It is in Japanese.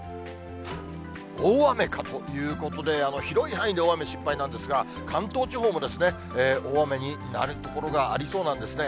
大雨かということで、広い範囲で大雨心配なんですが、関東地方も大雨になる所がありそうなんですね。